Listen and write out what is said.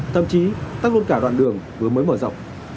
thậm chí tắt luôn cả đoạn đường vừa mới mở rộng